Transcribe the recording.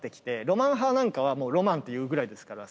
ロマン派なんかはもうロマンっていうぐらいですから。